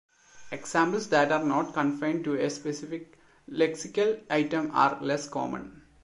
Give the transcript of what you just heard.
Examples that are not confined to a specific lexical item are less common.